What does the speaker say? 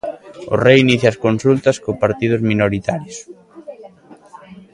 O Rei inicia as consultas cos partidos minoritarios.